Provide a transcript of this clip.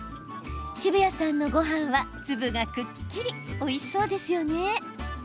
澁谷さんのごはんは粒がくっきりおいしそうですよね。